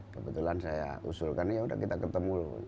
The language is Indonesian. kebetulan saya usulkan ya udah kita ketemu